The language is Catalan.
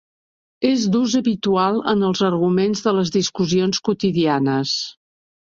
És d'ús habitual en els arguments de les discussions quotidianes.